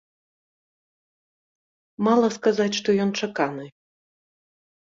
Мала сказаць, што ён чаканы.